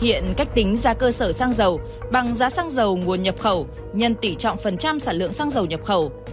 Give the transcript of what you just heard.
hiện cách tính giá cơ sở xăng dầu bằng giá xăng dầu nguồn nhập khẩu nhân tỷ trọng phần sản lượng xăng dầu nhập khẩu